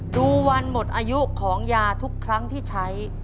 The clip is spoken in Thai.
ดูวันหมดอายุของยาทุกครั้งที่ใช้